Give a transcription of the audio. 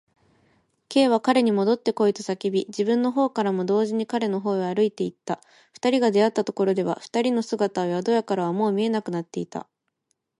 Ｋ は彼にもどってこいと叫び、自分のほうからも同時に彼のほうへ歩いていった。二人が出会ったところでは、二人の姿は宿屋からはもう見えなくなっていた。